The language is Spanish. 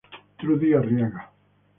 Trudy Arriaga.